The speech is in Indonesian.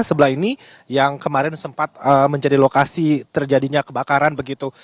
sebelah ini yang kemarin sempat menjadi lokasi terjadinya kebakaran begitu